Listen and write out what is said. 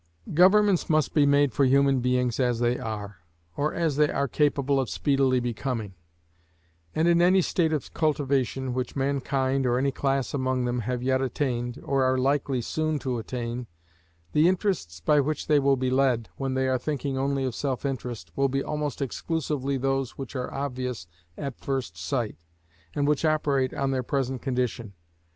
Governments must be made for human beings as they are, or as they are capable of speedily becoming; and in any state of cultivation which mankind, or any class among them, have yet attained, or are likely soon to attain, the interests by which they will be led, when they are thinking only of self interest, will be almost exclusively those which are obvious at first sight, and which operate on their present condition.